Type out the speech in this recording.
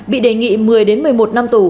bị đề nghị một mươi một mươi một năm tù